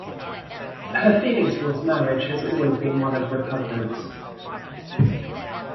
Her feeling toward marriage has always been one of repugnance.